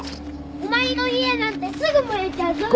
お前の家なんてすぐ燃えちゃうぞ！